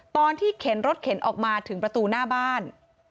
เข็นรถเข็นออกมาถึงประตูหน้าบ้าน